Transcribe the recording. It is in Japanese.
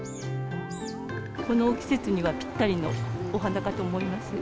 この季節にはぴったりのお花かと思います。